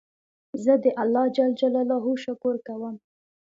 زه د الله جل جلاله شکر کوم.